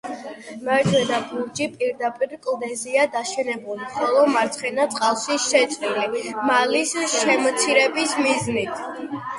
მარჯვენა ბურჯი პირდაპირ კლდეზეა დაშენებული, ხოლო მარცხენა წყალში შეჭრილი მალის შემცირების მიზნით.